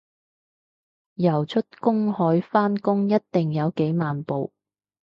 游出公海返工一定有幾萬步